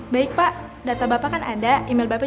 baik pak data bapak kan ada email bapak